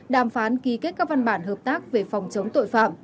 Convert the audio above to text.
đàm phán ký kết các văn bản hợp tác về phòng chống tội phạm